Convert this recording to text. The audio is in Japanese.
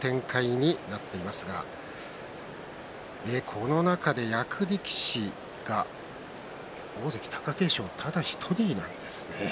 この中で役力士が大関貴景勝ただ１人なんですね。